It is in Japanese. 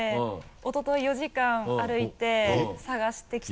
おととい４時間歩いて探してきて。